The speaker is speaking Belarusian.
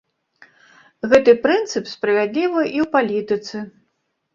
Гэты прынцып справядлівы і ў палітыцы.